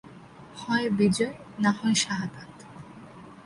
হয় বিজয়, না হয় শাহাদাত।